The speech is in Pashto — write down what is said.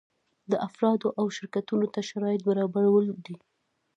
دا افرادو او شرکتونو ته شرایط برابرول دي.